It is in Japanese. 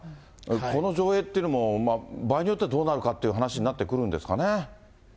この上映というのも、場合によってはどうなるかという話になってくるんですかね。